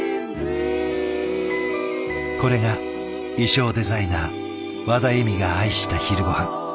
これが衣装デザイナーワダエミが愛した昼ごはん。